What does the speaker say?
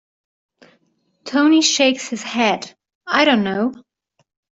Tony shakes his head; I don't know.